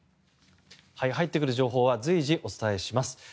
入ってくる情報は随時お伝えします。